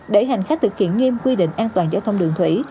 để hành khách thực hiện nghiêm quy định an toàn giao thông đường thủy